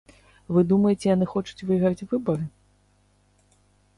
Вы думаеце, яны хочуць выйграць выбары?